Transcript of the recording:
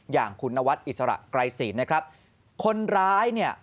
อย่างคุณนวัดอิสระไกรศีลนะครับคนร้ายเนี่ย